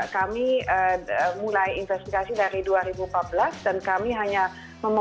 kami mulai investigasi dari dua ribu empat belas dan kami hanya memanfaatkan